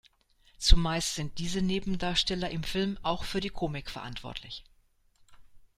Zumeist sind diese Nebendarsteller im Film auch für die Komik verantwortlich.